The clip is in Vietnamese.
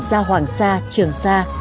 sa hoàng sa trường sa